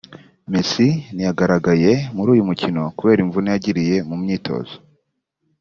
Messi ntiyagaragaye muri uyu mukino kubera imvune yagiriye mu myitozo